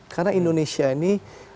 karena indonesia ini